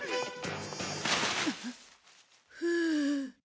ふう。